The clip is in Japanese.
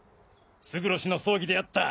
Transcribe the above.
勝呂氏の葬儀で会った